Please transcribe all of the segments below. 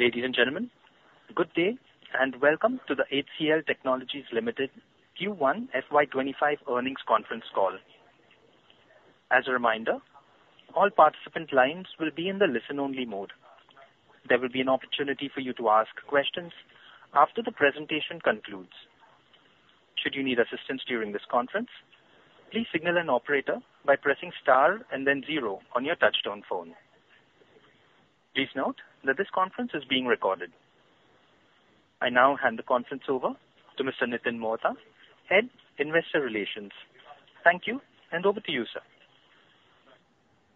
Ladies and gentlemen, good day, and welcome to the HCL Technologies Limited Q1 FY25 Earnings Conference Call. As a reminder, all participant lines will be in the listen-only mode. There will be an opportunity for you to ask questions after the presentation concludes. Should you need assistance during this conference, please signal an operator by pressing star and then zero on your touchtone phone. Please note that this conference is being recorded. I now hand the conference over to Mr. Nitin Mohta, Head, Investor Relations. Thank you, and over to you, sir.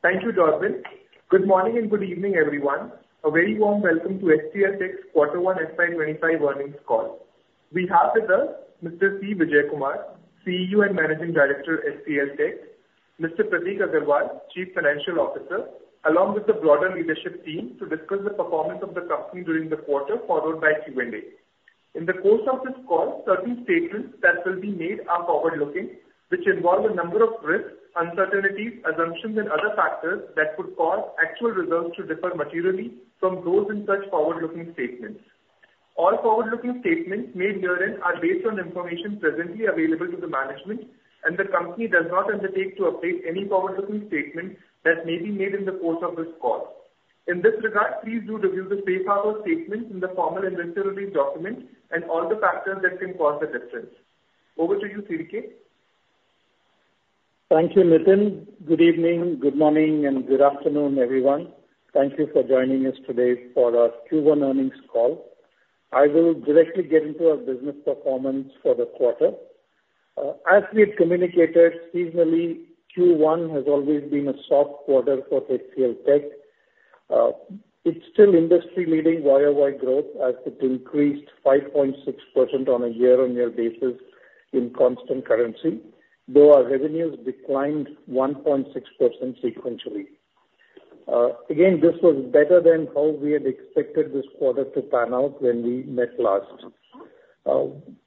Thank you, Godwin. Good morning and good evening, everyone. A very warm welcome to HCLTech's Quarter 1 FY 2025 earnings call. We have with us Mr. C. Vijayakumar, CEO and Managing Director, HCLTech, Mr. Prateek Aggarwal, Chief Financial Officer, along with the broader leadership team, to discuss the performance of the company during the quarter, followed by Q&A. In the course of this call, certain statements that will be made are forward-looking, which involve a number of risks, uncertainties, assumptions, and other factors that could cause actual results to differ materially from those in such forward-looking statements. All forward-looking statements made herein are based on information presently available to the management, and the company does not undertake to update any forward-looking statement that may be made in the course of this call. In this regard, please do review the safe harbor statement in the formal investor release document and all the factors that can cause a difference. Over to you, CVK. Thank you, Nitin. Good evening, good morning, and good afternoon, everyone. Thank you for joining us today for our Q1 earnings call. I will directly get into our business performance for the quarter. As we had communicated seasonally, Q1 has always been a soft quarter for HCLTech. It's still industry-leading YOY growth, as it increased 5.6% on a year-on-year basis in constant currency, though our revenues declined 1.6% sequentially. Again, this was better than how we had expected this quarter to pan out when we met last.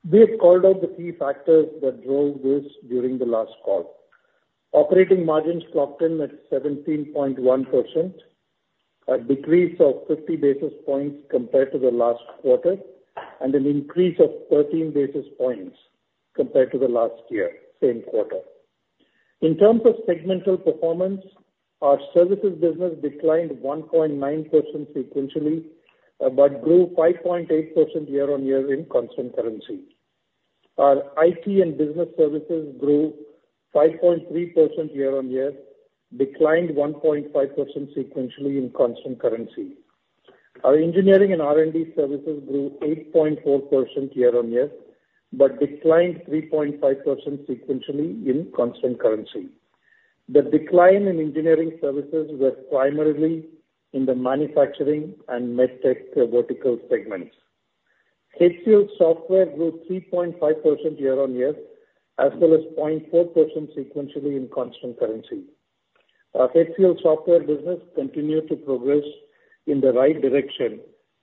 We had called out the key factors that drove this during the last call. Operating margins clocked in at 17.1%, a decrease of 50 basis points compared to the last quarter, and an increase of 13 basis points compared to the last year, same quarter. In terms of segmental performance, our services business declined 1.9% sequentially, but grew 5.8% year-on-year in constant currency. Our IT and Business Services grew 5.3% year-on-year, declined 1.5% sequentially in constant currency. Our Engineering and R&D Services grew 8.4% year-on-year, but declined 3.5% sequentially in constant currency. The decline in engineering services were primarily in the manufacturing and MedTech vertical segments. HCLSoftware grew 3.5% year-on-year, as well as 0.4% sequentially in constant currency. Our HCLSoftware business continued to progress in the right direction,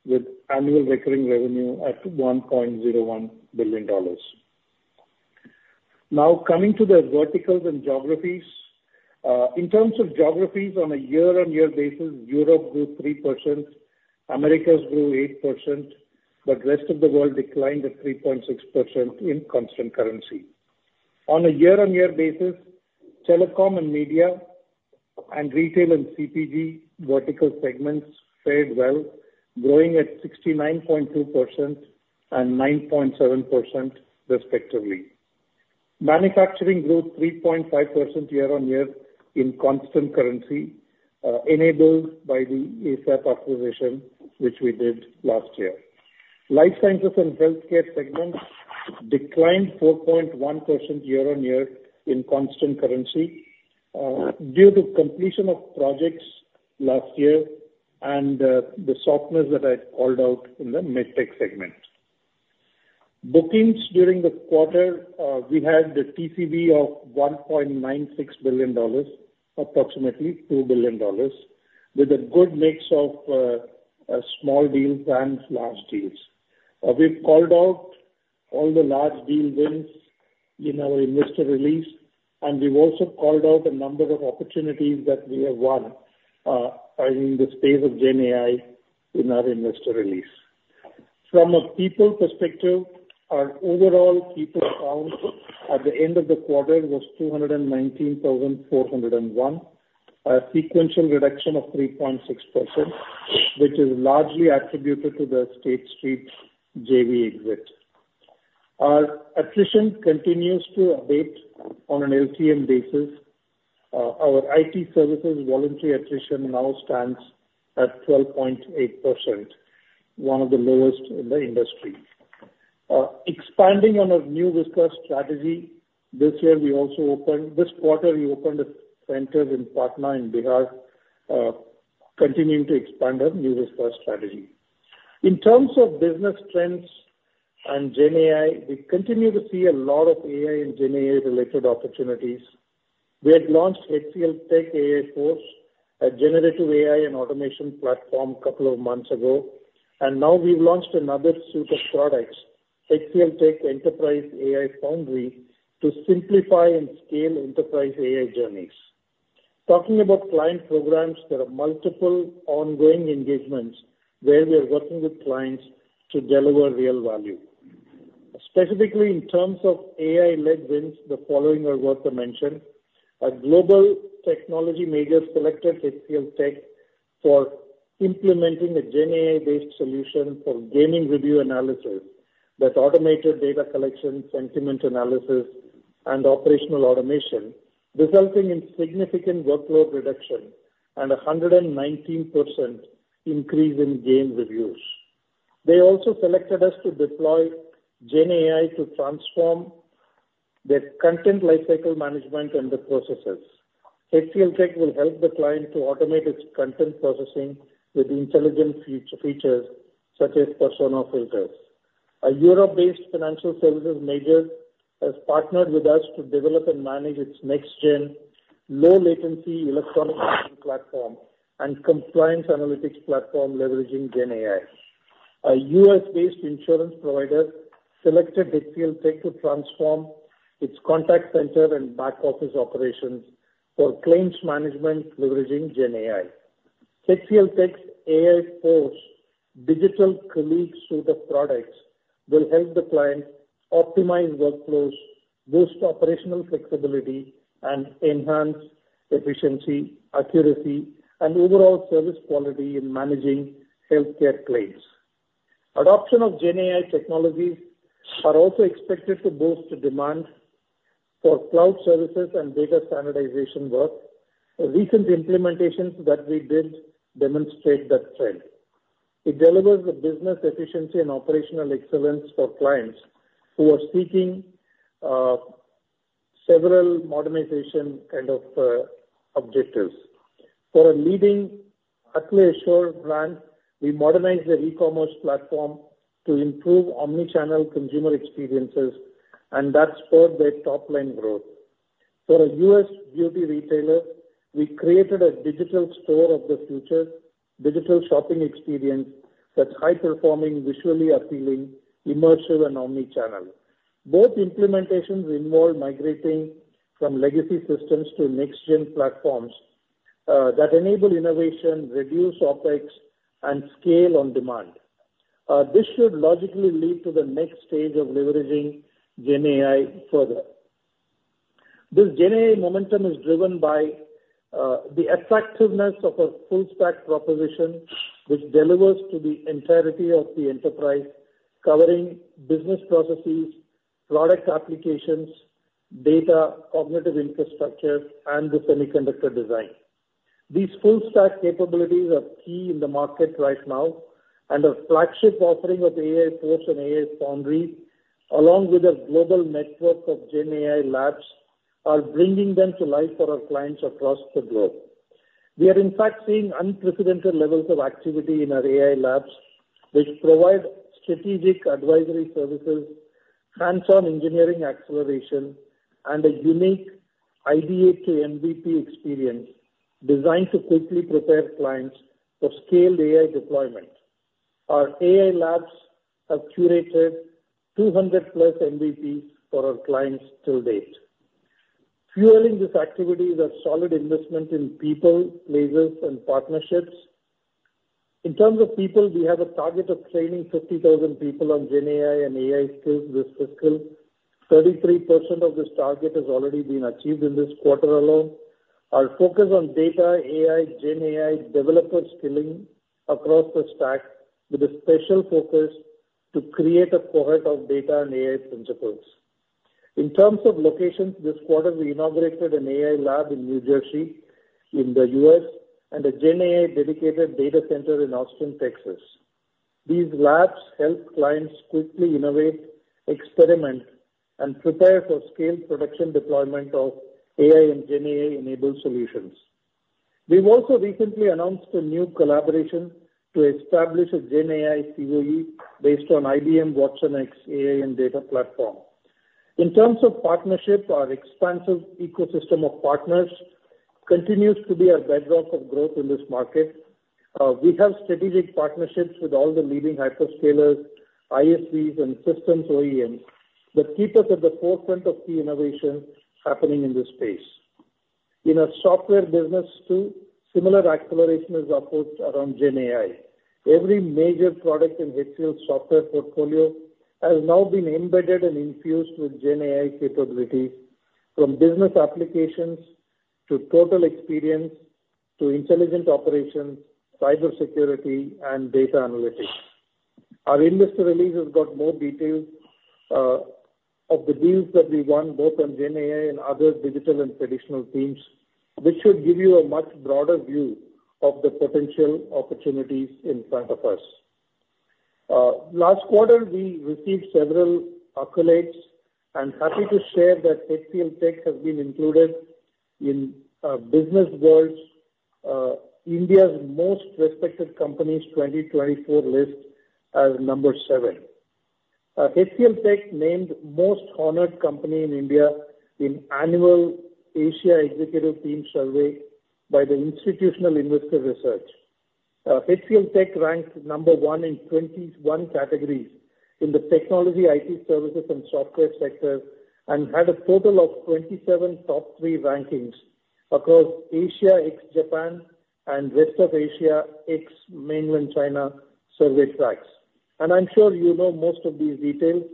with annual recurring revenue at $1.01 billion. Now, coming to the verticals and geographies. In terms of geographies, on a year-on-year basis, Europe grew 3%, Americas grew 8%, but rest of the world declined at 3.6% in constant currency. On a year-on-year basis, telecom and media and retail and CPG vertical segments fared well, growing at 69.2% and 9.7% respectively. Manufacturing grew 3.5% year-on-year in constant currency, enabled by the ASAP acquisition, which we did last year. Life sciences and healthcare segments declined 4.1% year-on-year in constant currency, due to completion of projects last year and the softness that I had called out in the MedTech segment. Bookings during the quarter, we had a TCV of $1.96 billion, approximately $2 billion, with a good mix of small deals and large deals. We've called out all the large deal wins in our investor release, and we've also called out a number of opportunities that we have won in the space of GenAI in our investor release. From a people perspective, our overall people count at the end of the quarter was 219,401, a sequential reduction of 3.6%, which is largely attributed to the State Street JV exit. Our attrition continues to update on an LTM basis. Our IT services voluntary attrition now stands at 12.8%, one of the lowest in the industry. Expanding on our nearshore strategy, this year, we also opened... This quarter, we opened a center in Patna, in Bihar, continuing to expand our nearshore strategy. In terms of business trends and GenAI, we continue to see a lot of AI and GenAI-related opportunities. We had launched HCLTech AI Force, a generative AI and automation platform, couple of months ago, and now we've launched another suite of products, HCLTech Enterprise AI Foundry, to simplify and scale enterprise AI journeys.... Talking about client programs, there are multiple ongoing engagements where we are working with clients to deliver real value. Specifically, in terms of AI-led wins, the following are worth a mention. A global technology major selected HCLTech for implementing a GenAI-based solution for gaming review analysis that automated data collection, sentiment analysis, and operational automation, resulting in significant workload reduction and a 119% increase in game reviews. They also selected us to deploy GenAI to transform their content lifecycle management and the processes. HCLTech will help the client to automate its content processing with intelligent future features such as persona filters. A Europe-based financial services major has partnered with us to develop and manage its next gen, low latency electronic platform and compliance analytics platform, leveraging GenAI. A US-based insurance provider selected HCLTech to transform its contact center and back-office operations for claims management, leveraging GenAI. HCLTech's AI Force digital colleague suite of products will help the client optimize workflows, boost operational flexibility, and enhance efficiency, accuracy, and overall service quality in managing healthcare claims. Adoption of GenAI technologies are also expected to boost demand for cloud services and data standardization work. Recent implementations that we did demonstrate that trend. It delivers the business efficiency and operational excellence for clients who are seeking several modernization kind of objectives. For a leading athletic shoe brand, we modernized their e-commerce platform to improve omni-channel consumer experiences, and that spurred their top-line growth. For a U.S. beauty retailer, we created a digital store of the future, digital shopping experience that's high-performing, visually appealing, immersive, and omni-channel. Both implementations involve migrating from legacy systems to next-gen platforms that enable innovation, reduce OpEx, and scale on demand. This should logically lead to the next stage of leveraging GenAI further. This GenAI momentum is driven by the attractiveness of a full-stack proposition, which delivers to the entirety of the enterprise, covering business processes, product applications, data, cognitive infrastructure, and the semiconductor design. These full stack capabilities are key in the market right now, and our flagship offering of AI Force and AI Foundry, along with our global network of GenAI labs, are bringing them to life for our clients across the globe. We are, in fact, seeing unprecedented levels of activity in our AI labs, which provide strategic advisory services, hands-on engineering acceleration, and a unique idea to MVP experience designed to quickly prepare clients for scaled AI deployment. Our AI labs have curated 200+ MVPs for our clients till date. Fueling this activity is a solid investment in people, places, and partnerships. In terms of people, we have a target of training 50,000 people on GenAI and AI skills this fiscal. 33% of this target has already been achieved in this quarter alone. Our focus on data, AI, GenAI, developer skilling across the stack with a special focus to create a cohort of data and AI principals. In terms of locations, this quarter we inaugurated an AI lab in New Jersey in the U.S. and a GenAI dedicated data center in Austin, Texas. These labs help clients quickly innovate, experiment, and prepare for scaled production deployment of AI and GenAI-enabled solutions. We've also recently announced a new collaboration to establish a GenAI COE based on IBM watsonx AI and Data Platform. In terms of partnership, our expansive ecosystem of partners continues to be a bedrock of growth in this market. We have strategic partnerships with all the leading hyperscalers, ISVs, and systems OEMs that keep us at the forefront of key innovation happening in this space. In our software business, too, similar acceleration is of course around GenAI. Every major product in HCL's software portfolio has now been embedded and infused with GenAI capabilities, from business applications to total experience to intelligent operations, cybersecurity, and data analytics. Our investor release has got more details of the deals that we won, both on GenAI and other digital and traditional teams, which should give you a much broader view of the potential opportunities in front of us. Last quarter, we received several accolades, and happy to share that HCLTech has been included in Businessworld's India's Most Respected Companies 2024 list as number seven. HCLTech named Most Honored Company in India in annual Asia Executive Team Survey by the Institutional Investor Research. HCLTech ranked number 1 in 21 categories in the technology, IT services, and software sector, and had a total of 27 top 3 rankings across Asia ex-Japan and rest of Asia ex-Mainland China survey tracks. I'm sure you know most of these details.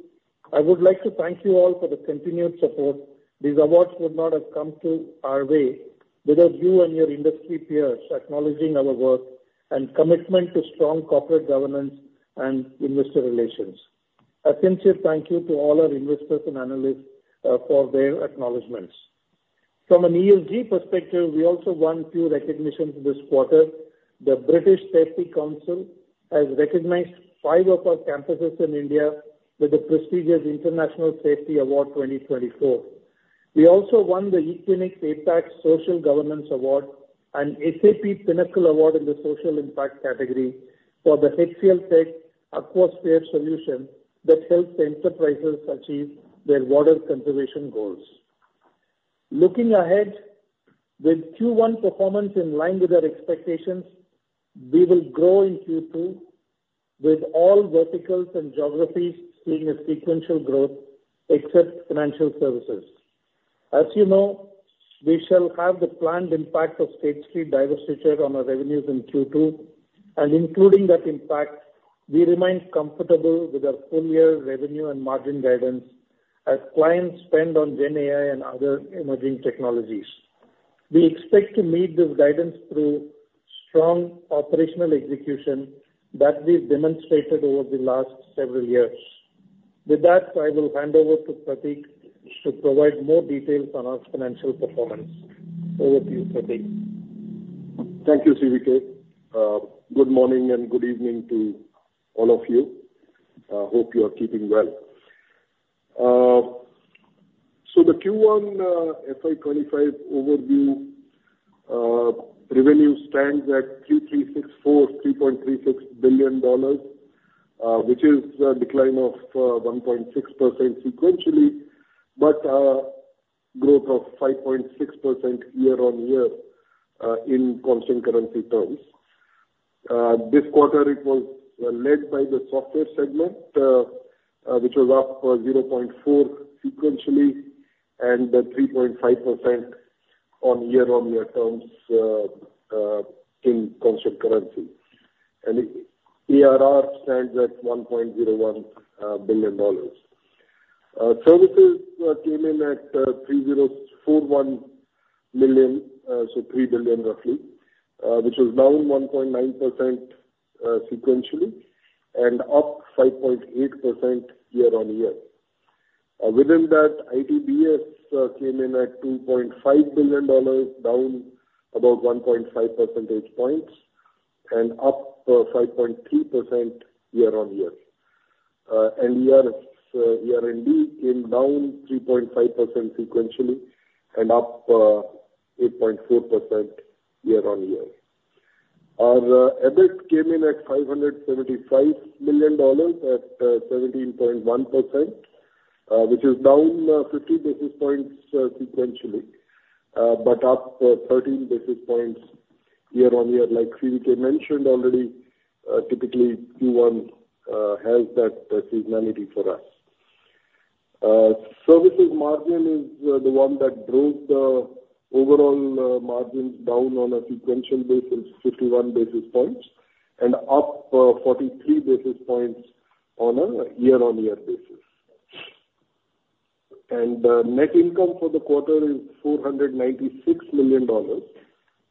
I would like to thank you all for the continued support. These awards would not have come to our way without you and your industry peers acknowledging our work and commitment to strong corporate governance and investor relations. A sincere thank you to all our investors and analysts for their acknowledgments. From an ESG perspective, we also won 2 recognitions this quarter. The British Safety Council has recognized 5 of our campuses in India with the prestigious International Safety Award 2024. We also won the Equinix APAC Social Governance Award and SAP Pinnacle Award in the Social Impact category for the HCLTech AquaSphere solution that helps enterprises achieve their water conservation goals. Looking ahead, with Q1 performance in line with our expectations, we will grow in Q2 with all verticals and geographies seeing a sequential growth except financial services. As you know, we shall have the planned impact of State Street divestiture on our revenues in Q2, and including that impact, we remain comfortable with our full year revenue and margin guidance as clients spend on GenAI and other emerging technologies. We expect to meet this guidance through strong operational execution that we've demonstrated over the last several years. With that, I will hand over to Prateek to provide more details on our financial performance. Over to you, Prateek. Thank you, CVK. Good morning and good evening to all of you. Hope you are keeping well. So the Q1 FY25 overview, revenue stands at $3.36 billion, which is a decline of 1.6% sequentially, but growth of 5.6% year-on-year in constant currency terms. This quarter, it was led by the software segment, which was up 0.4% sequentially and 3.5% year-on-year in constant currency. ARR stands at $1.01 billion. Services came in at $3,041 million, so $3 billion roughly, which was down 1.9% sequentially, and up 5.8% year-on-year. Within that, ITBS came in at $2.5 billion, down about 1.5 percentage points and up 5.3% year-on-year. And ERS R&D came down 3.5% sequentially and up 8.4% year-on-year. Our EBIT came in at $575 million, at 17.1%, which is down 50 basis points sequentially, but up 13 basis points year-on-year. Like CVK mentioned already, typically Q1 has that seasonality for us. Services margin is the one that drove the overall margins down on a sequential basis, 51 basis points, and up 43 basis points on a year-on-year basis. Net income for the quarter is $496 million,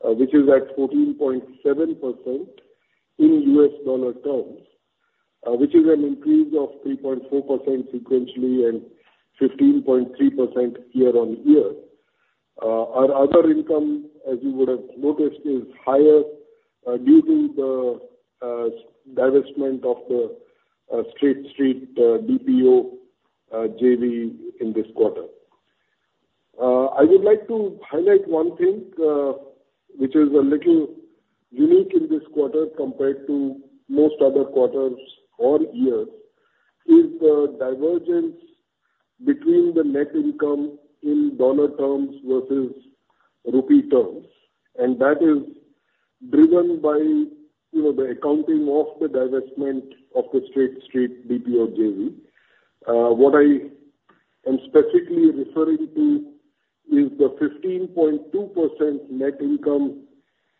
which is at 14.7% in U.S. dollar terms, which is an increase of 3.4% sequentially and 15.3% year-on-year. Our other income, as you would have noticed, is higher, due to the divestment of the State Street BPO JV in this quarter. I would like to highlight one thing, which is a little unique in this quarter compared to most other quarters or years, is the divergence between the net income in dollar terms versus rupee terms, and that is driven by, you know, the accounting of the divestment of the State Street BPO JV. What I am specifically referring to is the 15.2% net income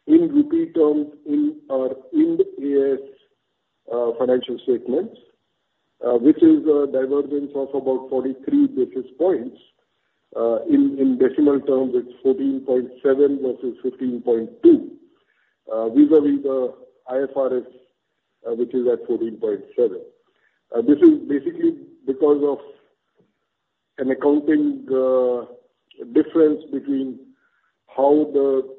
in rupee terms in our Ind AS financial statements, which is a divergence of about 43 basis points. In decimal terms, it's 14.7 versus 15.2 vis-à-vis the IFRS, which is at 14.7. This is basically because of an accounting difference between how the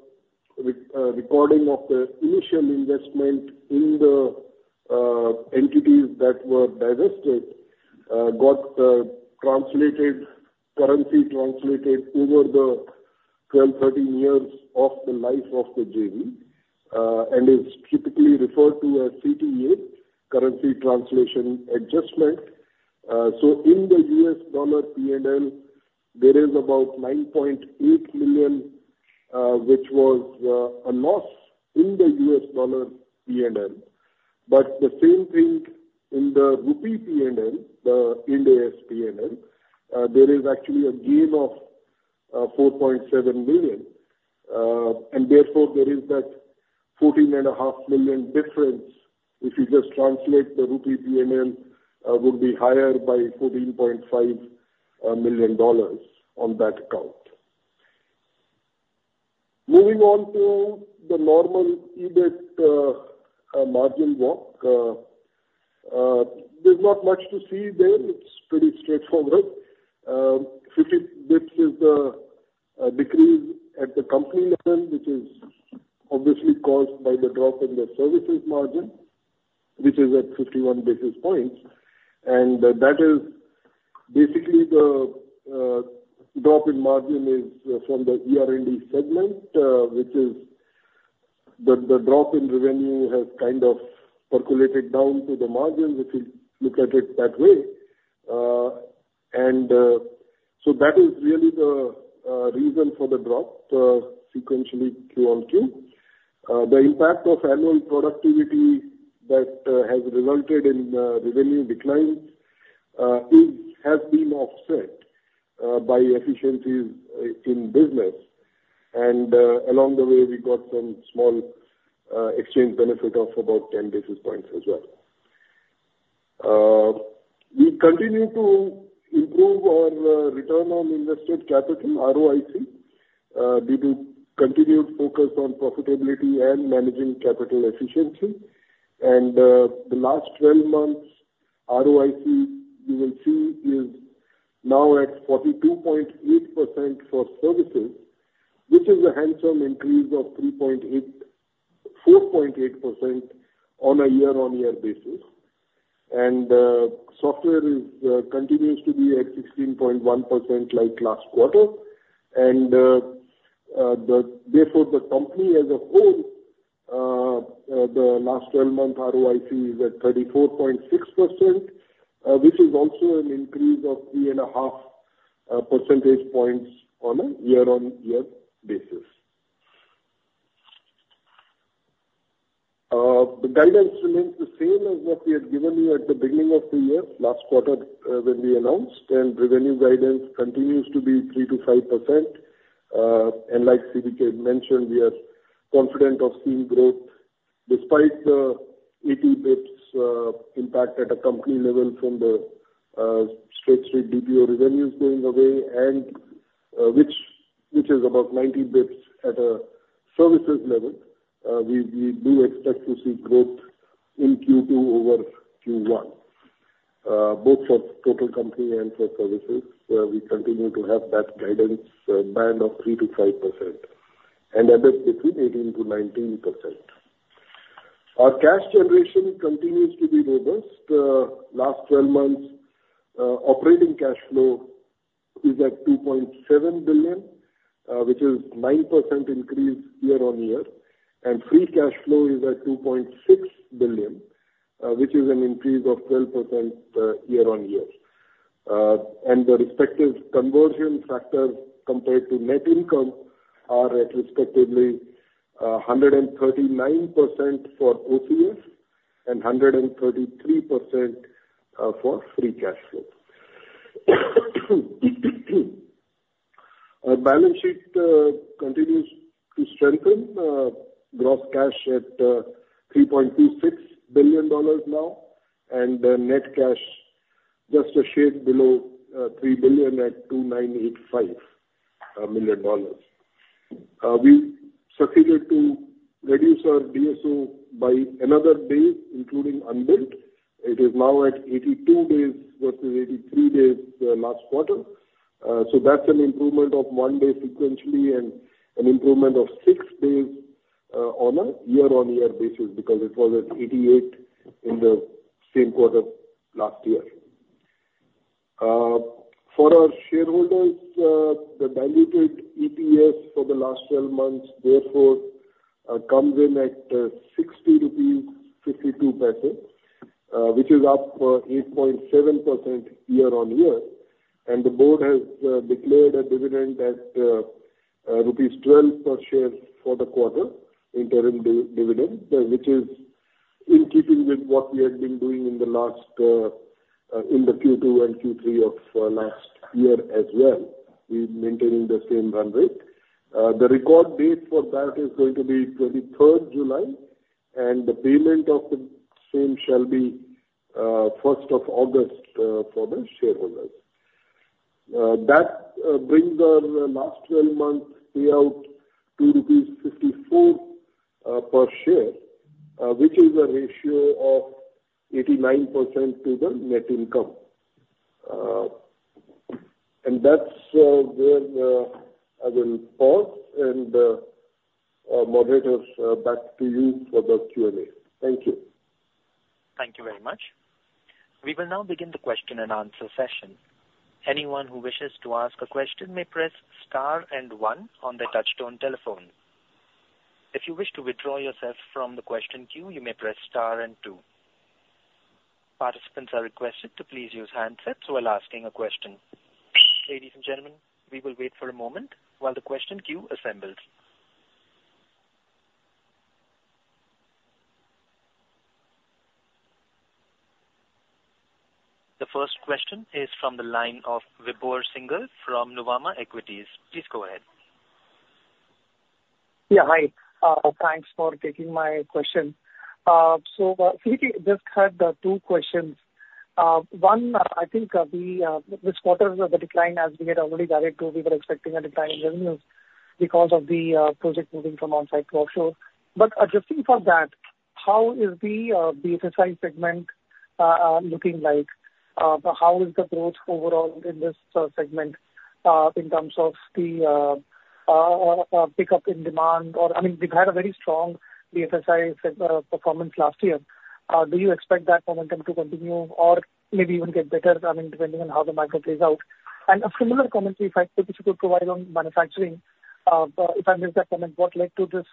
recording of the initial investment in the entities that were divested got currency translated over the 12, 13 years of the life of the JV. And it's typically referred to as CTA, currency translation adjustment. So in the U.S. dollar P&L-... There is about $9.8 million, which was a loss in the U.S. dollar PNL, but the same thing in the rupee PNL, the Indian PNL, there is actually a gain of 4.7 million, and therefore there is that 14.5 million difference. If you just translate the rupee PNL, it would be higher by $14.5 million on that account. Moving on to the normal EBIT margin walk. There's not much to see there. It's pretty straightforward. 50 basis points is the decrease at the company level, which is obviously caused by the drop in the services margin, which is at 51 basis points. That is basically the drop in margin from the ERS segment, which is the drop in revenue has kind of percolated down to the margin, if you look at it that way. So that is really the reason for the drop sequentially Q-on-Q. The impact of annual productivity that has resulted in revenue decline has been offset by efficiencies in business. Along the way, we got some small exchange benefit of about 10 basis points as well. We continue to improve our return on invested capital, ROIC, due to continued focus on profitability and managing capital efficiency. The last 12 months ROIC, you will see, is now at 42.8% for services, which is a handsome increase of 3.8-4.8% on a year-on-year basis. Software continues to be at 16.1% like last quarter. Therefore, the company as a whole, the last 12-month ROIC is at 34.6%, which is also an increase of 3.5 percentage points on a year-on-year basis. The guidance remains the same as what we had given you at the beginning of the year, last quarter, when we announced, and revenue guidance continues to be 3%-5%. And like CVK mentioned, we are confident of seeing growth despite the 80 basis points impact at a company level from the State Street BPO revenues going away and which is about 90 basis points at a services level. We do expect to see growth in Q2 over Q1 both for total company and for services, where we continue to have that guidance band of 3%-5% and EBIT between 18%-19%. Our cash generation continues to be robust. Last 12 months, operating cash flow is at $2.7 billion, which is 9% increase year-on-year. And free cash flow is at $2.6 billion, which is an increase of 12% year-on-year. And the respective conversion factors compared to net income are at respectively 139% for OCFs and 133% for free cash flow. Our balance sheet continues to strengthen. Gross cash at $3.26 billion now, and net cash just a shade below three billion at $2.985 billion. We succeeded to reduce our DSO by another day, including unbilled. It is now at 82 days versus 83 days last quarter. So that's an improvement of one day sequentially and an improvement of six days on a year-on-year basis, because it was at 88 in the same quarter last year. For our shareholders, the diluted EPS for the last 12 months, therefore, comes in at 60.52 rupees, which is up 8.7% year-on-year. The board has declared a dividend at rupees 12 per share for the quarter, interim dividend, which is in keeping with what we have been doing in the last, in the Q2 and Q3 of last year as well. We're maintaining the same run rate. The record date for that is going to be 23rd July, and the payment of the same shall be 1st of August for the shareholders. That brings our last 12 months payout to rupees 54 per share, which is a ratio of 89% to the net income. That's where I will pause, and our moderators back to you for the Q&A. Thank you. Thank you very much. We will now begin the question and answer session. Anyone who wishes to ask a question may press star and one on their touch-tone telephone. If you wish to withdraw yourself from the question queue, you may press star and two.... Participants are requested to please use handsets while asking a question. Ladies and gentlemen, we will wait for a moment while the question queue assembles. The first question is from the line of Vibhor Singhal from Nuvama Equities. Please go ahead. Yeah, hi. Thanks for taking my question. So, if we just have the two questions. One, I think, this quarter, the decline, as we had already guided to, we were expecting a decline in revenues because of the project moving from on-site to offshore. But adjusting for that, how is the BFSI segment looking like? How is the growth overall in this segment in terms of the pickup in demand or, I mean, we've had a very strong BFSI segment performance last year. Do you expect that momentum to continue or maybe even get better, I mean, depending on how the market plays out? A similar commentary, if I, if you could provide on manufacturing, if I missed that comment, what led to this,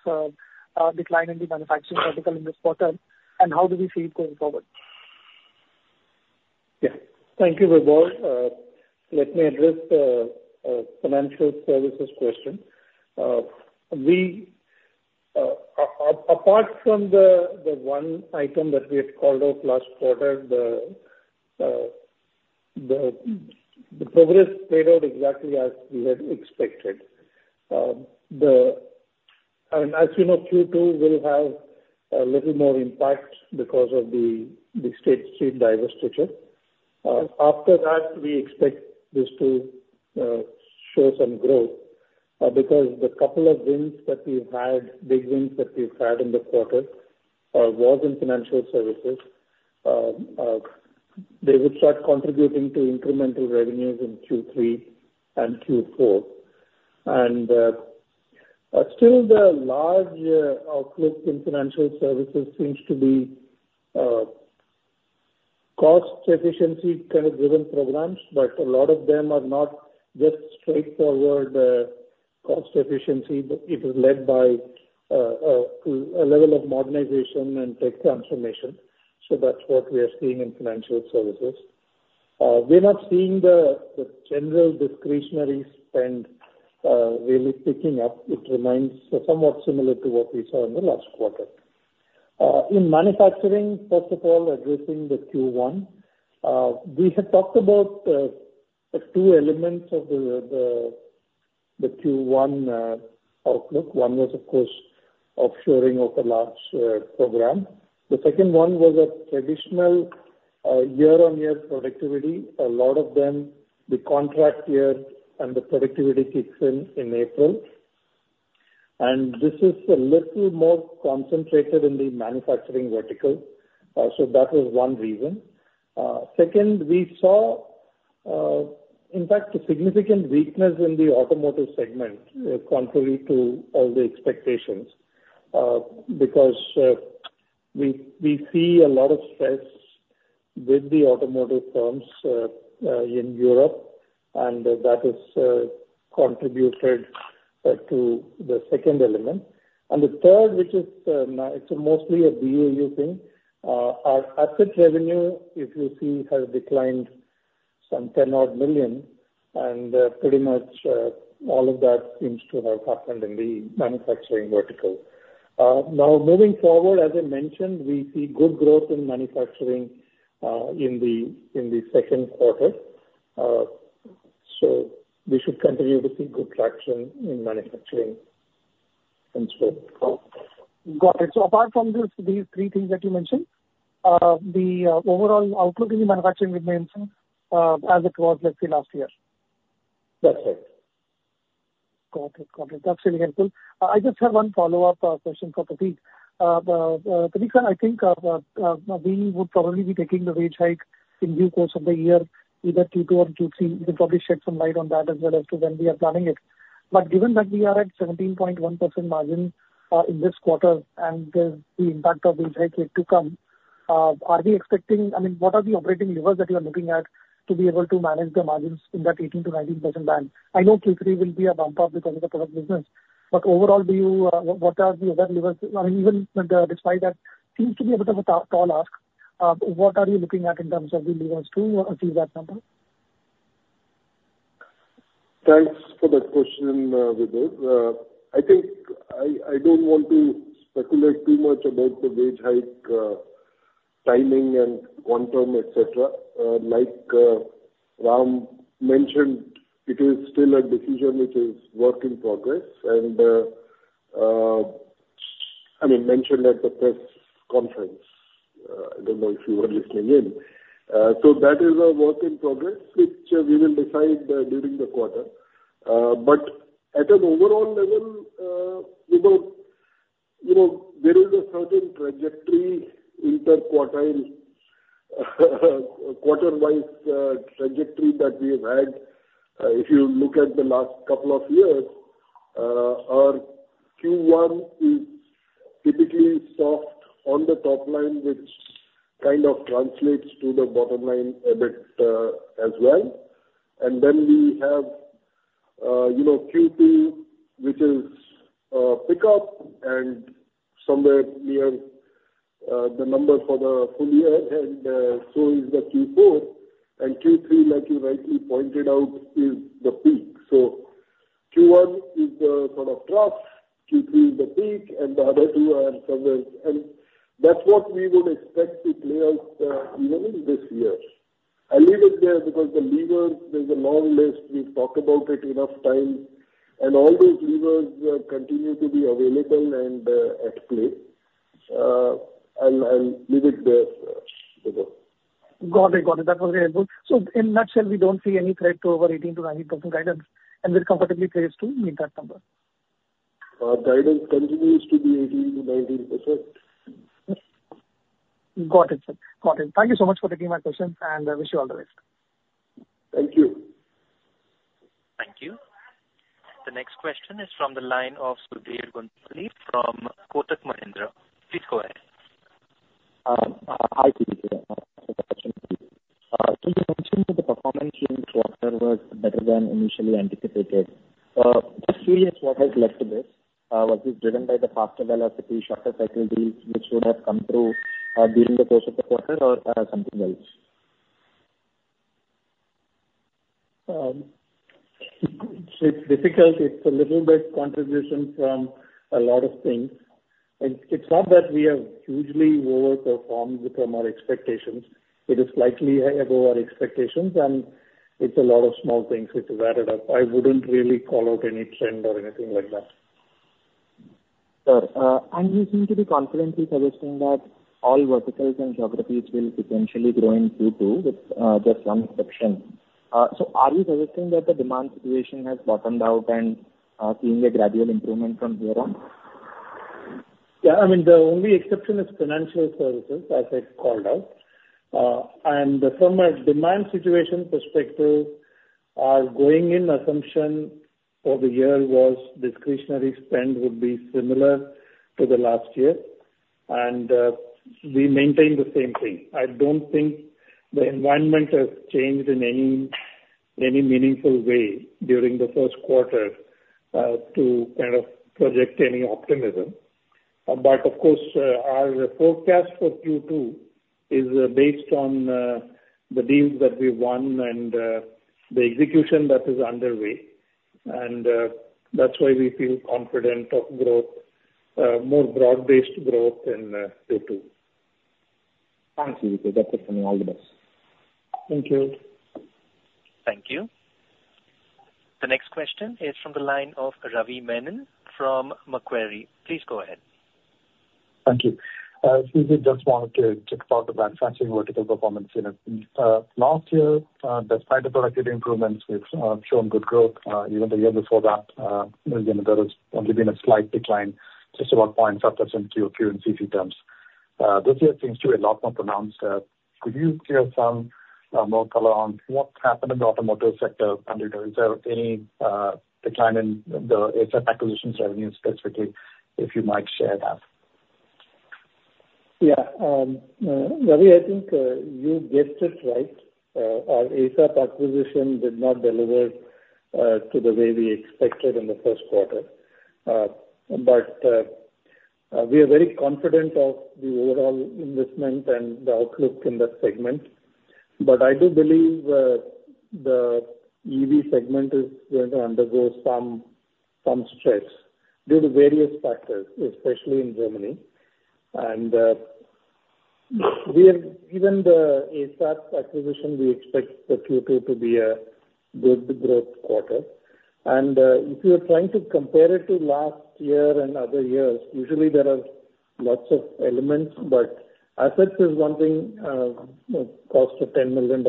decline in the manufacturing vertical in this quarter, and how do we see it going forward? Yeah. Thank you, Vibhor. Let me address the financial services question. We, apart from the one item that we had called out last quarter, the progress played out exactly as we had expected. And as you know, Q2 will have a little more impact because of the State Street divestiture. After that, we expect this to show some growth because the couple of wins that we've had, big wins that we've had in the quarter, was in financial services. They would start contributing to incremental revenues in Q3 and Q4. Still the large outlook in financial services seems to be cost efficiency kind of driven programs, but a lot of them are not just straightforward cost efficiency, but it is led by a level of modernization and tech transformation. So that's what we are seeing in financial services. We're not seeing the general discretionary spend really picking up. It remains somewhat similar to what we saw in the last quarter. In manufacturing, first of all, addressing the Q1, we had talked about the two elements of the Q1 outlook. One was, of course, offshoring of a large program. The second one was a traditional year-on-year productivity. A lot of them, the contract year and the productivity kicks in in April. And this is a little more concentrated in the manufacturing vertical. So that was one reason. Second, we saw, in fact, a significant weakness in the automotive segment, contrary to all the expectations, because, we see a lot of stress with the automotive firms, in Europe, and that has contributed to the second element. And the third, which is, it's mostly a BAU thing. Our assets revenue, if you see, has declined some $10 odd million, and, pretty much, all of that seems to have happened in the manufacturing vertical. Now, moving forward, as I mentioned, we see good growth in manufacturing, in the, in the second quarter. So we should continue to see good traction in manufacturing going forward. Got it. So apart from these, these three things that you mentioned, the overall outlook in the manufacturing remains as it was, let's say, last year? That's it. Got it. Got it. That's really helpful. I just have one follow-up question for Prateek. Prateek, I think we would probably be taking the wage hike in due course of the year, either Q2 or Q3. You can probably shed some light on that as well as to when we are planning it. But given that we are at 17.1% margin in this quarter and the impact of the wage hike yet to come, are we expecting—I mean, what are the operating levers that you are looking at to be able to manage the margins in that 18%-19% band? I know Q3 will be a bump up because of the product business, but overall, do you, what are the other levers? I mean, even, despite that seems to be a bit of a tall ask, what are you looking at in terms of the levers to achieve that number? Thanks for that question, Vibhor. I think I don't want to speculate too much about the wage hike, timing and quantum, et cetera. Like, Ram mentioned, it is still a decision which is work in progress and, I mean, mentioned at the press conference, I don't know if you were listening in. So that is a work in progress, which we will decide during the quarter. But at an overall level, Vibhor, you know, there is a certain trajectory interquartile, quarter-wise, trajectory that we have had. If you look at the last couple of years, our Q1 is typically soft on the top line, which kind of translates to the bottom line a bit, as well. And then we have the-... You know, Q2, which is a pick up and somewhere near the number for the full year, and so is the Q4. And Q3, like you rightly pointed out, is the peak. So Q1 is the sort of trough, Q3 is the peak, and the other two are somewhere. And that's what we would expect to play out, even in this year. I'll leave it there because the levers, there's a long list. We've talked about it enough time, and all those levers continue to be available and at play. I'll, I'll leave it there, Deepak. Got it, got it. That was very helpful. So in a nutshell, we don't see any threat to our 18%-19% guidance, and we're comfortably placed to meet that number? Our guidance continues to be 18%-19%. Got it, sir. Got it. Thank you so much for taking my question, and I wish you all the best. Thank you. Thank you. The next question is from the line of Sudhir Guntupalli from Kotak Mahindra. Please go ahead. Hi, Sudhir. Thanks for the question. So you mentioned that the performance during this quarter was better than initially anticipated. Just curious what has led to this? Was this driven by the faster velocity, shorter cycle deals which would have come through during the course of the quarter or something else? It's difficult. It's a little bit contribution from a lot of things. It's not that we have hugely overperformed from our expectations. It is slightly above our expectations, and it's a lot of small things which added up. I wouldn't really call out any trend or anything like that. Sir, and you seem to be confidently suggesting that all verticals and geographies will potentially grow in Q2 with just one exception. So are you suggesting that the demand situation has bottomed out and seeing a gradual improvement from here on? Yeah, I mean, the only exception is financial services, as I called out. And from a demand situation perspective, our going-in assumption for the year was discretionary spend would be similar to the last year, and we maintain the same thing. I don't think the environment has changed in any meaningful way during the first quarter to kind of project any optimism. But of course, our forecast for Q2 is based on the deals that we won and the execution that is underway, and that's why we feel confident of growth, more broad-based growth in Q2. Thanks, Sudhir. That's it from me. All the best. Thank you. Thank you. The next question is from the line of Ravi Menon from Macquarie. Please go ahead. Thank you. Sudhir, just wanted to check about the manufacturing vertical performance unit. Last year, despite the productivity improvements, we've shown good growth. Even the year before that, you know, there has only been a slight decline, just about 1.5% quarter-over-quarter in CC terms. This year seems to be a lot more pronounced. Could you share some more color on what happened in the automotive sector? And is there any decline in the ASAP acquisitions revenue specifically, if you might share that? Yeah. Ravi, I think you guessed it right. Our ASAP acquisition did not deliver to the way we expected in the first quarter. But we are very confident of the overall investment and the outlook in that segment. But I do believe the EV segment is going to undergo some stress due to various factors, especially in Germany. And we are... Even the ASAP acquisition, we expect the Q2 to be a good growth quarter. If you are trying to compare it to last year and other years, usually there are lots of elements, but ASAP is one thing, you know, cost of $10 million,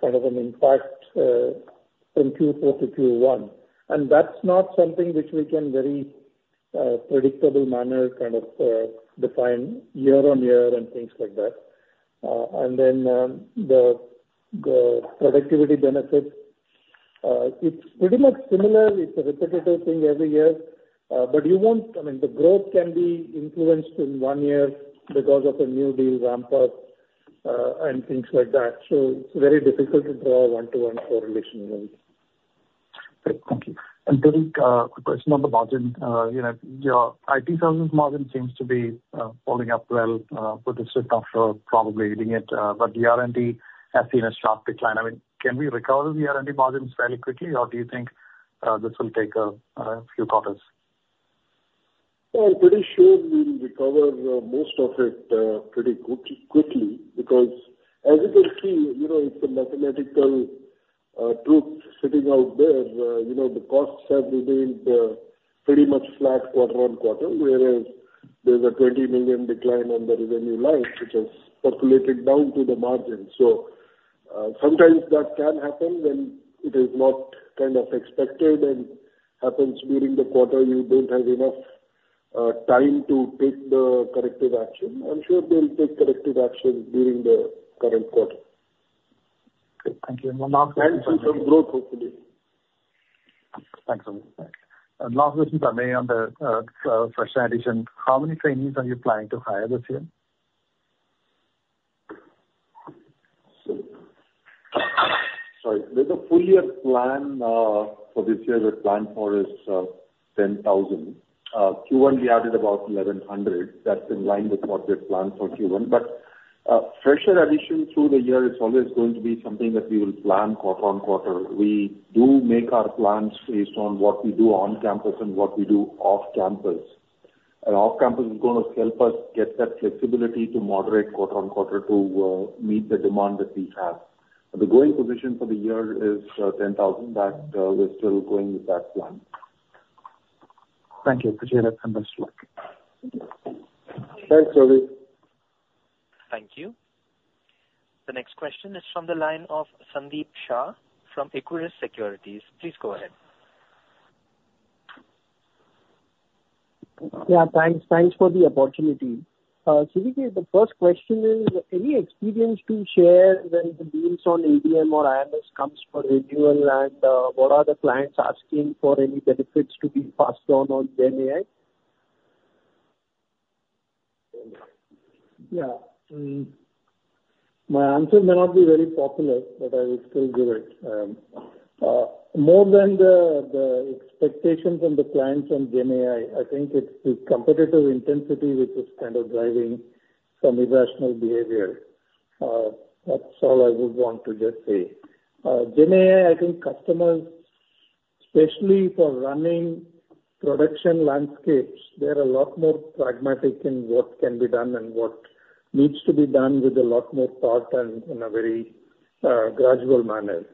kind of an impact, from Q4 to Q1, and that's not something which we can very predictable manner, kind of, define year-on-year and things like that. Then, the productivity benefit, it's pretty much similar. It's a repetitive thing every year. But you won't—I mean, the growth can be influenced in one year because of a new deal ramp-up, and things like that. So it's very difficult to draw one-to-one correlation around it. Great. Thank you. And, quick question on the margin. You know, your IT services margin seems to be holding up well, with the shift after probably hitting it, but the R&D has seen a sharp decline. I mean, can we recover the R&D margins fairly quickly, or do you think this will take a few quarters? Well, I'm pretty sure we'll recover most of it pretty quick, quickly, because as you can see, you know, it's a mathematical truth sitting out there. You know, the costs have remained pretty much flat quarter on quarter, whereas there's a $20 million decline on the revenue line, which has percolated down to the margin. So, sometimes that can happen, and it is not kind of expected and happens during the quarter. You don't have enough time to take the corrective action. I'm sure they'll take corrective action during the current quarter. Great. Thank you. See some growth, hopefully. Thanks. Last question for me on the fresh addition. How many trainees are you planning to hire this year?... So, there's a full year plan for this year, the plan for is ten thousand. Q1 we added about 1,100, that's in line with what we had planned for Q1. But fresher addition through the year is always going to be something that we will plan quarter on quarter. We do make our plans based on what we do on campus and what we do off campus. And off campus is gonna help us get that flexibility to moderate quarter on quarter to meet the demand that we have. The going position for the year is ten thousand, that we're still going with that plan. Thank you, appreciate it, and best luck. Thanks, Ravi. Thank you. The next question is from the line of Sandeep Shah from Equirus Securities. Please go ahead. Yeah, thanks. Thanks for the opportunity. CVK, the first question is, any experience to share when the deals on ADM or IMS comes for renewal? And, what are the clients asking for any benefits to be passed on on GenAI? Yeah. My answer may not be very popular, but I will still give it. More than the expectations from the clients on GenAI, I think it's the competitive intensity which is kind of driving some irrational behavior. That's all I would want to just say. GenAI, I think customers, especially for running production landscapes, they are a lot more pragmatic in what can be done and what needs to be done with a lot more thought and in a very gradual manner.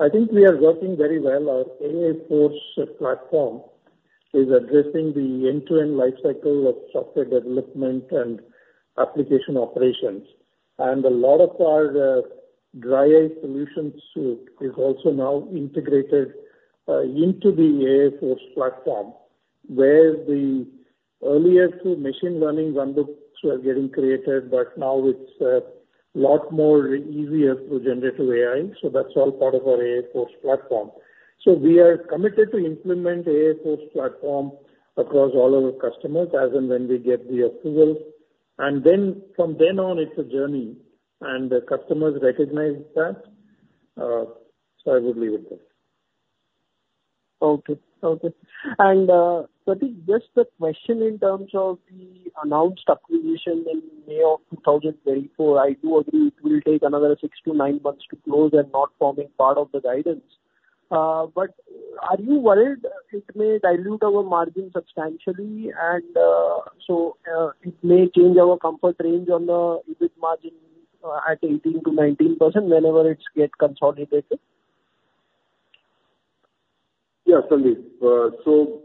I think we are working very well. Our AI Force platform is addressing the end-to-end life cycle of software development and application operations. And a lot of our DryIce solution suite is also now integrated into the AI Force platform. Where the earlier machine learning runbooks were getting created, but now it's a lot more easier with generative AI, so that's all part of our AI Force platform. So we are committed to implement AI Force platform across all our customers as and when we get the approvals. And then from then on, it's a journey, and the customers recognize that. So I would leave it there. Okay. Okay. But just the question in terms of the announced acquisition in May 2024, I do agree it will take another 6-9 months to close and not forming part of the guidance. But are you worried it may dilute our margin substantially and, so, it may change our comfort range on the EBIT margin at 18%-19% whenever it get consolidated? Yes, Sandeep. So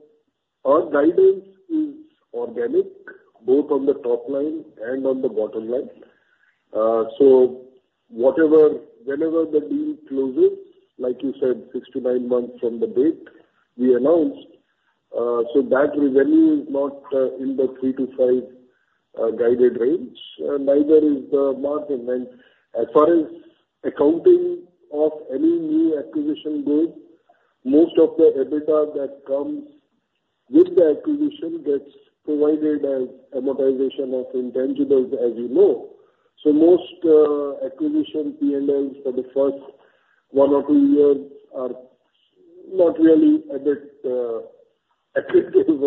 our guidance is organic, both on the top line and on the bottom line. So whatever, whenever the deal closes, like you said, 6-9 months from the date we announced, so that really is not in the 3-5 guided range, and neither is the margin. And as far as accounting of any new acquisition goes, most of the EBITDA that comes with the acquisition gets provided as amortization of intangibles, as you know. So most acquisition PNLs for the first one or two years are not really a bit attractive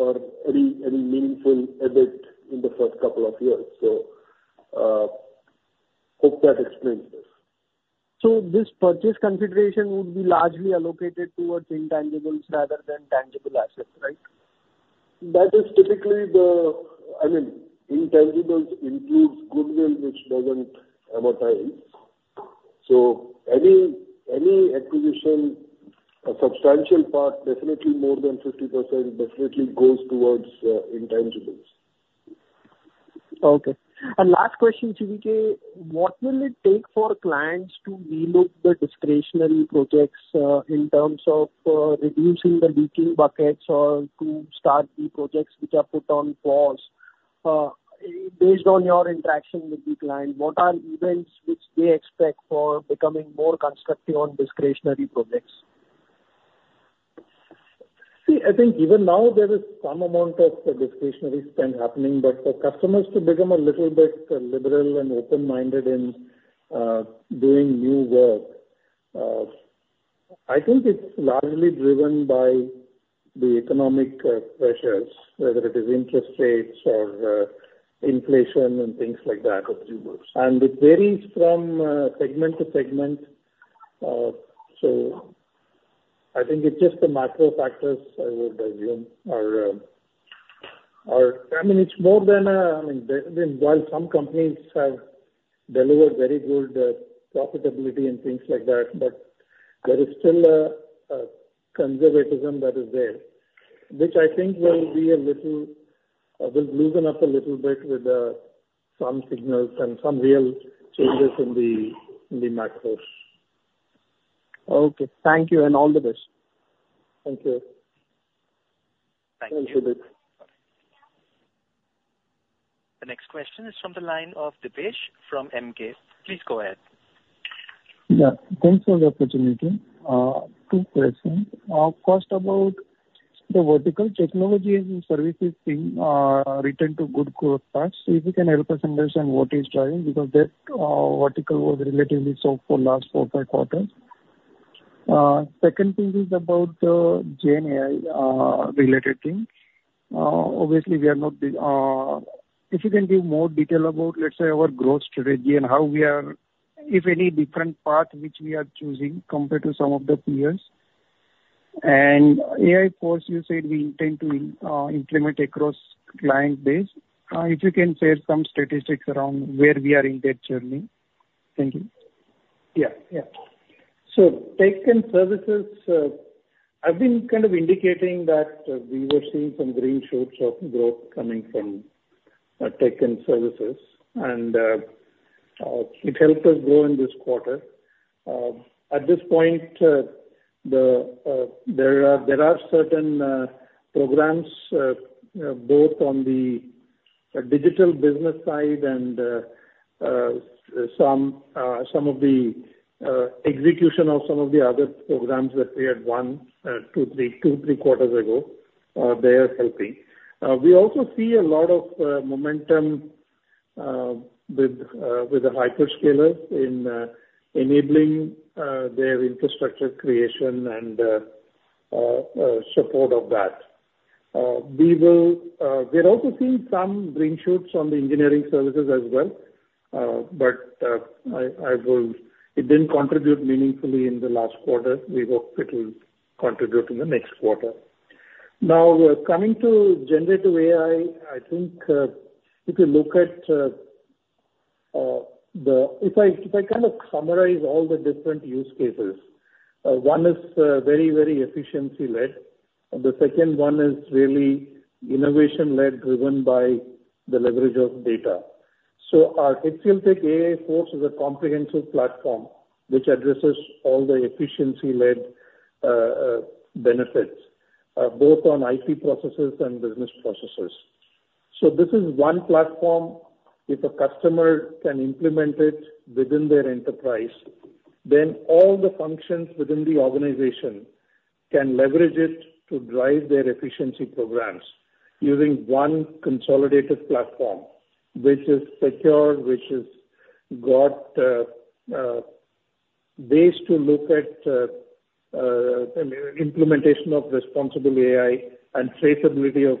or any meaningful edit in the first couple of years. So hope that explains this. This purchase consideration would be largely allocated towards intangibles rather than tangible assets, right? That is typically the... I mean, intangibles includes goodwill, which doesn't amortize. So any, any acquisition, a substantial part, definitely more than 50%, definitely goes towards intangibles. Okay. And last question, CVK, what will it take for clients to reload the discretionary projects, in terms of, reducing the leaking buckets or to start the projects which are put on pause? Based on your interaction with the client, what are events which they expect for becoming more constructive on discretionary projects? See, I think even now there is some amount of discretionary spend happening. But for customers to become a little bit liberal and open-minded in doing new work, I think it's largely driven by the economic pressures, whether it is interest rates or inflation and things like that, or two wars. And it varies from segment to segment. So I think it's just the macro factors, I would assume. I mean, while some companies have delivered very good profitability and things like that, but there is still a conservatism that is there, which I think will loosen up a little bit with some signals and some real changes in the macros. Okay. Thank you, and all the best. Thank you. Thank you. Thanks, Sandeep. The next question is from the line of Dipesh from Emkay. Please go ahead. Yeah, thanks for the opportunity. Two questions. First, about the vertical technology and services team return to good growth paths. If you can help us understand what is driving, because that vertical was relatively soft for last four, five quarters. Second thing is about the GenAI related thing. Obviously, we are not the... If you can give more detail about, let's say, our growth strategy and how we are, if any, different path which we are choosing compared to some of the peers. And of course, you said we intend to implement across client base. If you can share some statistics around where we are in that journey. Thank you. Yeah, yeah. So tech and services, I've been kind of indicating that we were seeing some green shoots of growth coming from tech and services, and it helped us grow in this quarter. At this point, there are certain programs, both on the digital business side and some of the execution of some of the other programs that we had won 2, 3, 2, 3 quarters ago, they are helping. We also see a lot of momentum with the hyperscalers in enabling their infrastructure creation and support of that. We're also seeing some green shoots on the engineering services as well, but it didn't contribute meaningfully in the last quarter. We hope it will contribute in the next quarter. Now, coming to generative AI, I think, if you look at. If I, if I kind of summarize all the different use cases, one is very, very efficiency-led, and the second one is really innovation-led, driven by the leverage of data. So our HCLTech AI Force is a comprehensive platform which addresses all the efficiency-led benefits, both on IT processes and business processes. So this is one platform, if a customer can implement it within their enterprise, then all the functions within the organization can leverage it to drive their efficiency programs using one consolidated platform which is secure, which has got ways to look at implementation of responsible AI and traceability of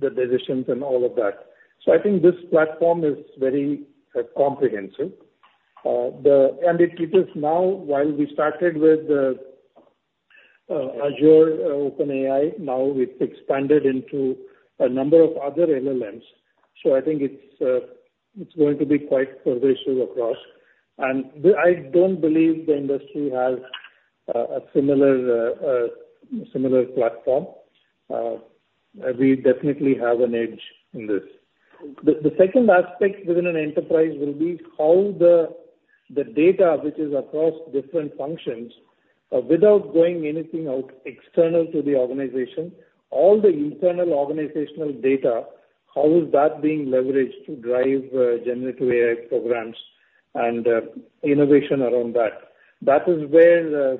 the decisions and all of that. So I think this platform is very comprehensive. It is now, while we started with Azure OpenAI, now we've expanded into a number of other LLMs. So I think it's going to be quite pervasive across. And I don't believe the industry has a similar platform. We definitely have an edge in this. The second aspect within an enterprise will be how the data which is across different functions, without going anything out external to the organization, all the internal organizational data, how is that being leveraged to drive generative AI programs and innovation around that? That is where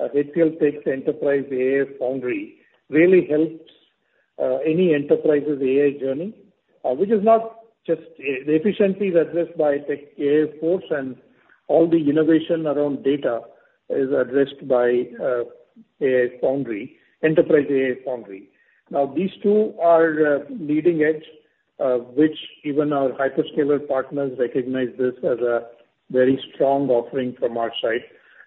HCLTech's Enterprise AI Foundry really helps any enterprise's AI journey, which is not just... The efficiencies addressed by HCLTech AI Force and all the innovation around data is addressed by AI Foundry, Enterprise AI Foundry. Now, these two are leading edge, which even our hyperscaler partners recognize this as a very strong offering from our side.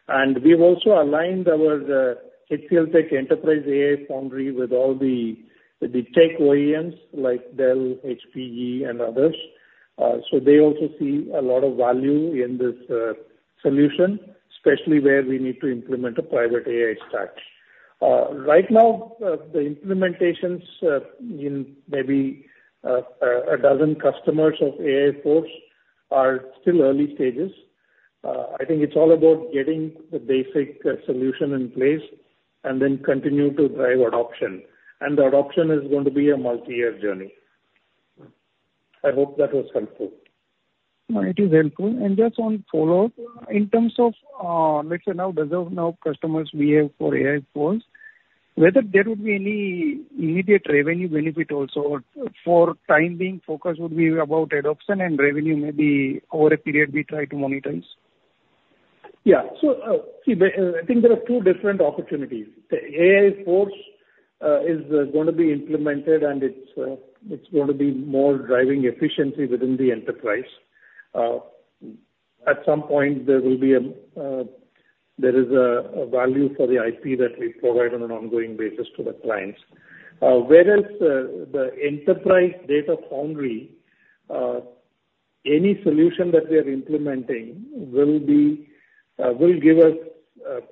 And we've also aligned our HCLTech Enterprise AI Foundry with all the tech OEMs like Dell, HPE, and others. So they also see a lot of value in this solution, especially where we need to implement a private AI stack. Right now, the implementations in maybe a dozen customers of AI Force are still early stages. I think it's all about getting the basic solution in place and then continue to drive adoption, and the adoption is going to be a multi-year journey. I hope that was helpful. No, it is helpful. Just one follow-up: In terms of, let's say, now, the number of customers we have for AI Force, whether there would be any immediate revenue benefit also, or for time being, focus would be about adoption and revenue, maybe over a period we try to monetize? Yeah. So, see, I think there are two different opportunities. The AI Force is gonna be implemented, and it's, it's gonna be more driving efficiency within the enterprise. At some point, there will be a, there is a value for the IP that we provide on an ongoing basis to the clients. Whereas the, the Enterprise AI Foundry, any solution that we are implementing will be, will give us,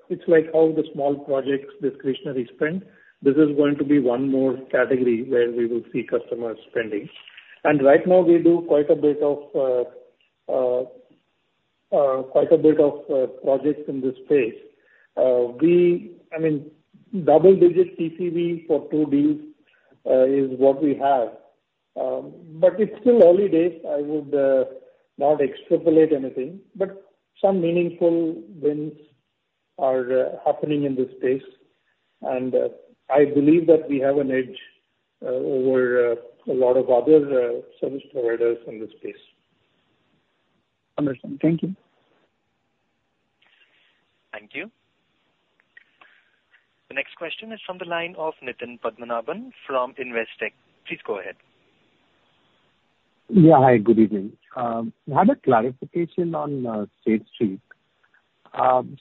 it's like how the small projects, discretionary spend, this is going to be one more category where we will see customers spending. And right now, we do quite a bit of, quite a bit of projects in this space. We... I mean, double-digit TCV for two deals- is what we have. But it's still early days. I would not extrapolate anything, but some meaningful wins are happening in this space, and I believe that we have an edge over a lot of other service providers in this space. Understand. Thank you. Thank you. The next question is from the line of Nitin Padmanabhan from Investec. Please go ahead. Yeah, hi, good evening. I have a clarification on State Street.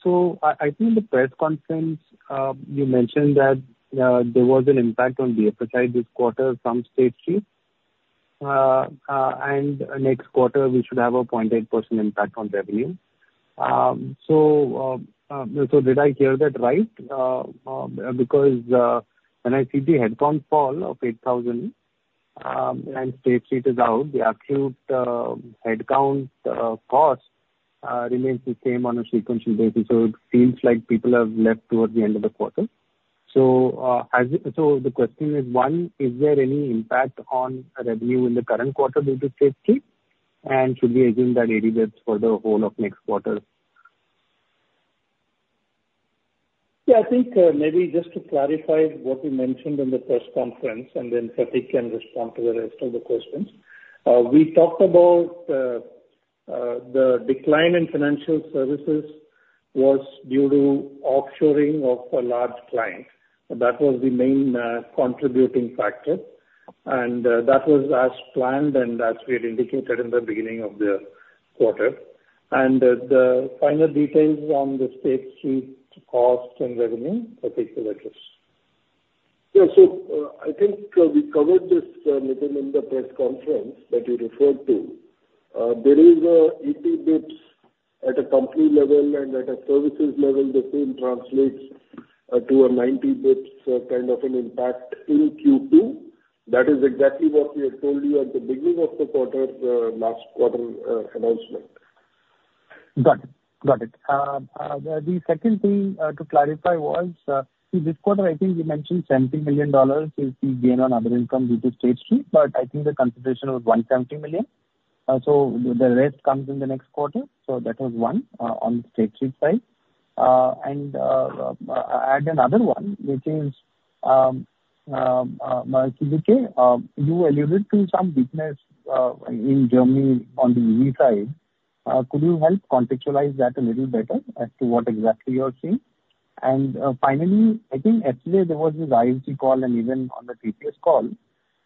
So I think the press conference, you mentioned that there was an impact on DFSI this quarter from State Street. And next quarter, we should have a 0.8% impact on revenue. So did I hear that right? Because when I see the headcount fall of 8,000, and State Street is out, the actual headcount cost remains the same on a sequential basis, so it seems like people have left towards the end of the quarter. So the question is, one, is there any impact on revenue in the current quarter due to State Street? And should we assume that 80 basis points for the whole of next quarter? Yeah, I think maybe just to clarify what we mentioned in the press conference, and then Prateek can respond to the rest of the questions. We talked about the decline in financial services was due to offshoring of a large client. That was the main contributing factor, and that was as planned and as we had indicated in the beginning of the quarter. The final details on the State Street cost and revenue, Prateek will address. Yeah, so, I think we covered this, Nitin, in the press conference that you referred to. There is an 80 bps impact at a company level, and at a services level, the same translates to a 90 bps kind of an impact in Q2. That is exactly what we had told you at the beginning of the quarter, last quarter announcement. Got it, got it. The second thing to clarify was, see this quarter, I think you mentioned $70 million is the gain on other income due to State Street, but I think the consideration was $170 million. So the rest comes in the next quarter, so that was one on the State Street side. And I add another one, which is Kivike. You alluded to some weakness in Germany on the EV side. Could you help contextualize that a little better as to what exactly you're seeing? And finally, I think yesterday there was this IFC call, and even on the TCS call,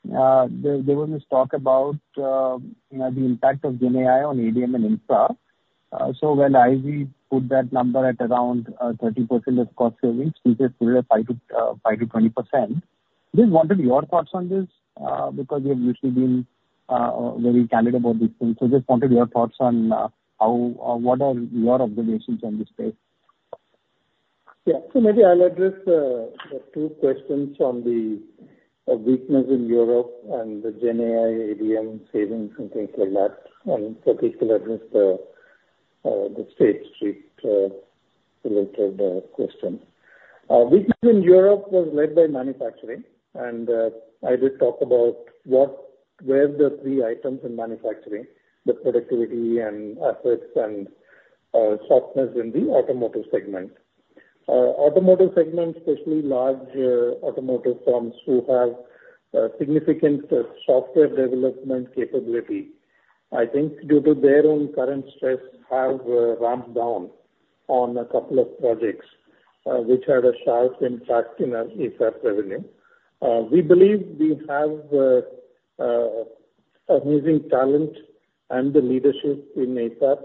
there was this talk about, you know, the impact of GenAI on ADM and Infra. So when ISG put that number at around 30% of cost savings, we just put it at 5%-20%. Just wanted your thoughts on this because you have usually been very candid about these things. So just wanted your thoughts on how, or what are your observations on this space? Yeah. So maybe I'll address the two questions on the weakness in Europe and the GenAI ADM savings and things like that. And Prateek will address the State Street related question. Weakness in Europe was led by manufacturing, and I did talk about what were the three items in manufacturing, the productivity and assets and softness in the automotive segment. Automotive segment, especially large automotive firms who have significant software development capability. I think due to their own current stress, have ramped down on a couple of projects, which had a sharp impact in our ASAP revenue. We believe we have amazing talent and the leadership in ASAP.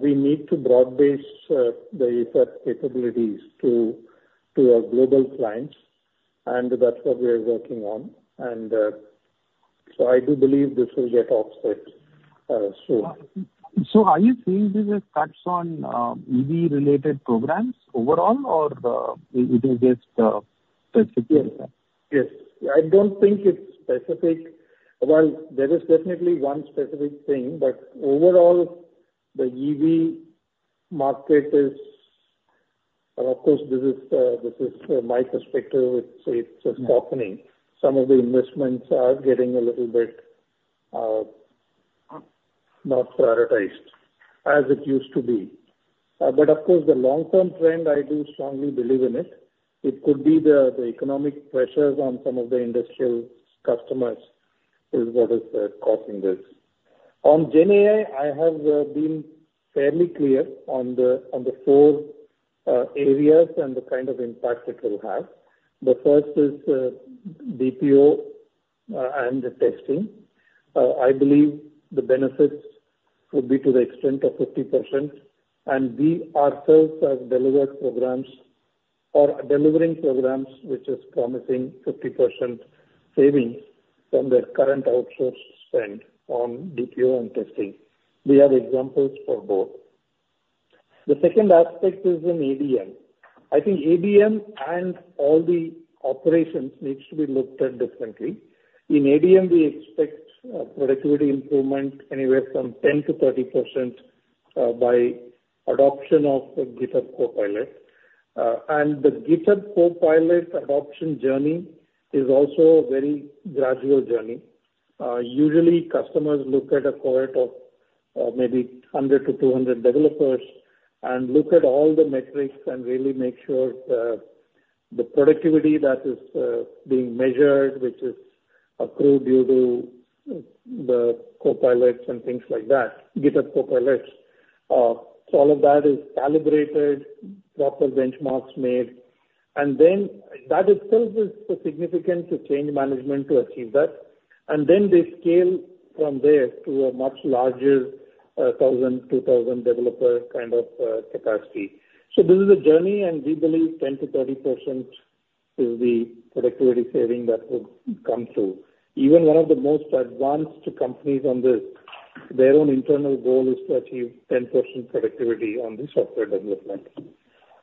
We need to broad base the ASAP capabilities to our global clients, and that's what we are working on, and so I do believe this will get offset soon. Are you saying this is cuts on EV related programs overall, or it is just specific? Yes. I don't think it's specific. Well, there is definitely one specific thing, but overall, the EV market is... And of course, this is, this is my perspective, it's, it's, softening. Some of the investments are getting a little bit, not prioritized as it used to be. But of course, the long-term trend, I do strongly believe in it. It could be the, the economic pressures on some of the industrial customers is what is, causing this. On Gen AI, I have, been fairly clear on the, on the four, areas and the kind of impact it will have. The first is, BPO, and the testing. I believe the benefits could be to the extent of 50%, and we ourselves have delivered programs or are delivering programs which is promising 50% savings from their current outsource spend on BPO and testing. We have examples for both. The second aspect is in ADM. I think ADM and all the operations needs to be looked at differently. In ADM, we expect productivity improvement anywhere from 10%-30% by adoption of the GitHub Copilot. And the GitHub Copilot adoption journey is also a very gradual journey. Usually, customers look at a cohort of maybe 100-200 developers and look at all the metrics and really make sure the, the productivity that is being measured, which is approved due to the Copilots and things like that, GitHub Copilots. So all of that is calibrated, proper benchmarks made, and then that itself is significant to change management to achieve that. And then they scale from there to a much larger, 1,000-2,000 developer kind of capacity. So this is a journey, and we believe 10%-30% is the productivity saving that would come through. Even one of the most advanced companies on this, their own internal goal is to achieve 10% productivity on the software development.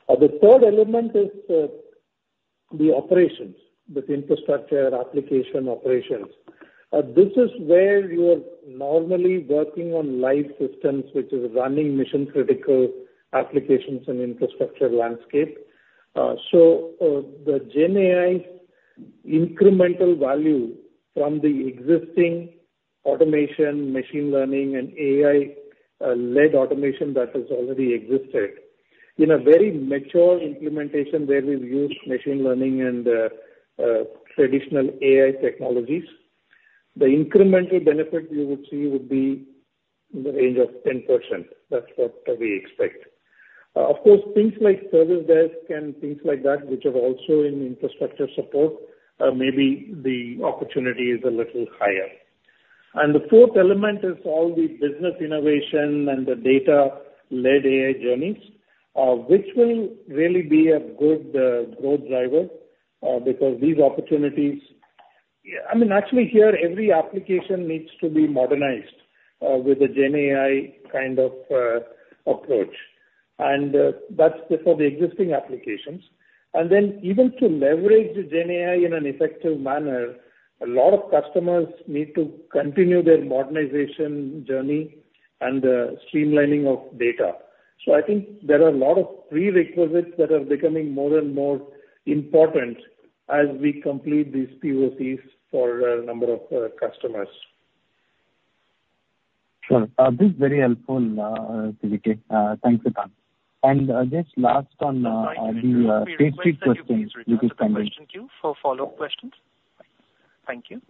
The third element is, the operations, the infrastructure, application, operations. This is where you are normally working on live systems, which is running mission-critical applications and infrastructure landscape. So, the GenAI's incremental value from the existing automation, machine learning and AI, led automation that has already existed. In a very mature implementation where we've used machine learning and traditional AI technologies, the incremental benefit we would see would be in the range of 10%. That's what we expect. Of course, things like service desk and things like that, which are also in infrastructure support, maybe the opportunity is a little higher. And the fourth element is all the business innovation and the data-led AI journeys, which will really be a good growth driver, because these opportunities... I mean, actually, here, every application needs to be modernized with a GenAI kind of approach, and that's for the existing applications. And then even to leverage the GenAI in an effective manner, a lot of customers need to continue their modernization journey and streamlining of data. So I think there are a lot of prerequisites that are becoming more and more important as we complete these POCs for a number of customers. Sure. This is very helpful, C.V.K. Thanks a ton. And, just last on the strategic question- We request that you please return to the question queue for follow-up questions. Thank you.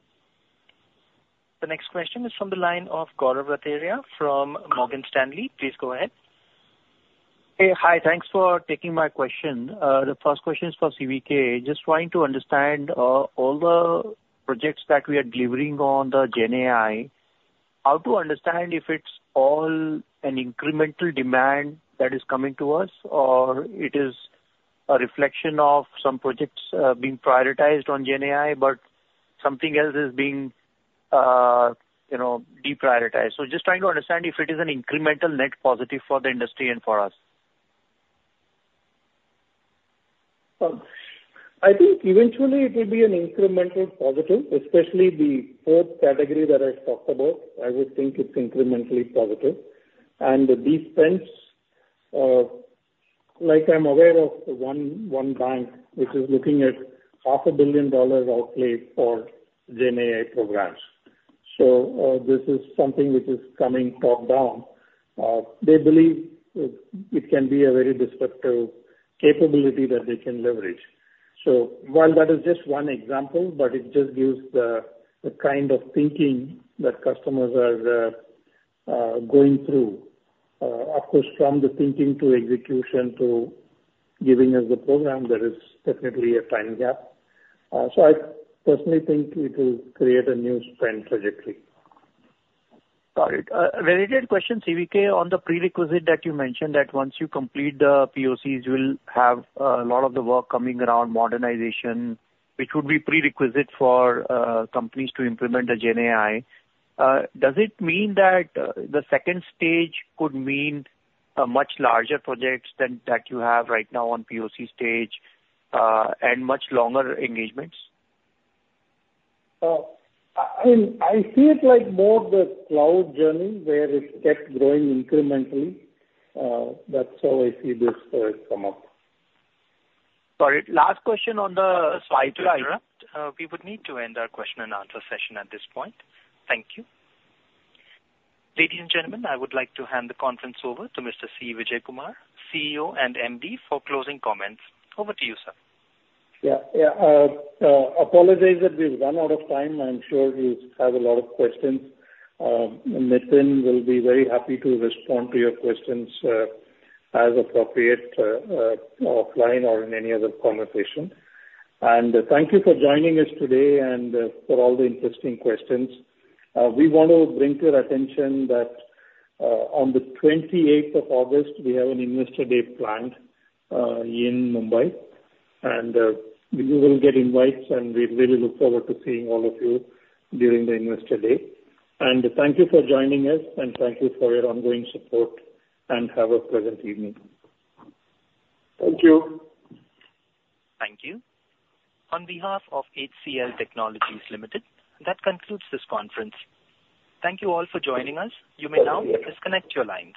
The next question is from the line of Gaurav Rateria from Morgan Stanley. Please go ahead. Hey. Hi, thanks for taking my question. The first question is for C.V.K. Just trying to understand, all the projects that we are delivering on the GenAI, how to understand if it's all an incremental demand that is coming to us, or it is a reflection of some projects, being prioritized on GenAI, but something else is being, you know, deprioritized? So just trying to understand if it is an incremental net positive for the industry and for us. I think eventually it will be an incremental positive, especially the fourth category that I talked about. I would think it's incrementally positive. These trends, like I'm aware of one bank, which is looking at $500 million outlay for GenAI programs. So, this is something which is coming top-down. They believe it can be a very disruptive capability that they can leverage. So while that is just one example, but it just gives the kind of thinking that customers are going through. Of course, from the thinking to execution to giving us the program, there is definitely a time gap. So I personally think it will create a new trend trajectory. Got it. A related question, C.V.K., on the prerequisite that you mentioned, that once you complete the POCs, you will have a lot of the work coming around modernization, which would be prerequisite for companies to implement the GenAI. Does it mean that the second stage could mean a much larger projects than that you have right now on POC stage, and much longer engagements? I see it like more of the cloud journey, where it kept growing incrementally. That's how I see this come up. Got it. Last question on the- Sorry to interrupt. We would need to end our question and answer session at this point. Thank you. Ladies and gentlemen, I would like to hand the conference over to Mr. C. Vijayakumar, CEO and MD, for closing comments. Over to you, sir. Yeah, yeah. Apologize that we've run out of time. I'm sure you have a lot of questions. Nitin will be very happy to respond to your questions as appropriate, offline or in any other conversation. And thank you for joining us today and for all the interesting questions. We want to bring to your attention that on the twenty-eighth of August, we have an Investor Day planned in Mumbai, and you will get invites, and we really look forward to seeing all of you during the Investor Day. And thank you for joining us, and thank you for your ongoing support, and have a pleasant evening. Thank you. Thank you. On behalf of HCL Technologies Limited, that concludes this conference. Thank you all for joining us. You may now disconnect your lines.